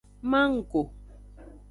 Mango.